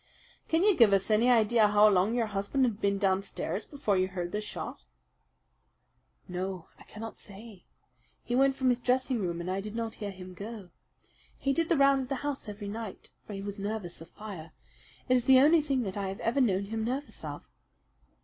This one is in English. "Can you give us any idea how long your husband had been downstairs before you heard the shot?" "No, I cannot say. He went from his dressing room, and I did not hear him go. He did the round of the house every night, for he was nervous of fire. It is the only thing that I have ever known him nervous of."